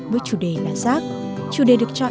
với chủ đề là giác chủ đề được chọn